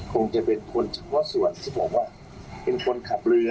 คงจะเป็นคนเฉพาะส่วนที่บอกว่าเป็นคนขับเรือ